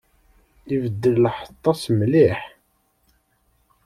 Ibeddel lḥeṭṭa-s mliḥ.